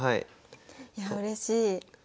いやうれしい。